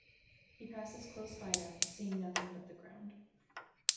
He passes close by them, seeing nothing but the ground.